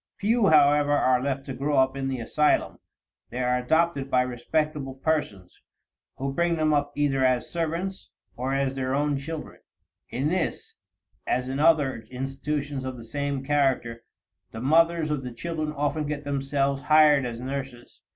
Few, however, are left to grow up in the asylum; they are adopted by respectable persons, who bring them up either as servants or as their own children. In this, as in other institutions of the same character, the mothers of the children often get themselves hired as nurses.